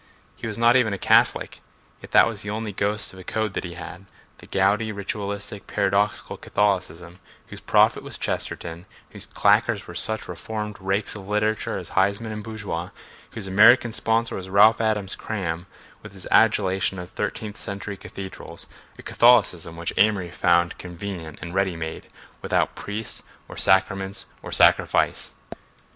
He was not even a Catholic, yet that was the only ghost of a code that he had, the gaudy, ritualistic, paradoxical Catholicism whose prophet was Chesterton, whose claqueurs were such reformed rakes of literature as Huysmans and Bourget, whose American sponsor was Ralph Adams Cram, with his adulation of thirteenth century cathedrals—a Catholicism which Amory found convenient and ready made, without priest or sacraments or sacrifice.